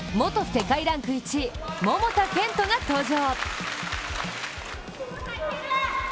世界ランク１位、桃田賢斗が登場。